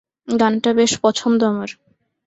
গানটা বেশ পছন্দ আমার।